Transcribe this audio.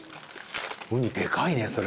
ウニでかいねそれ。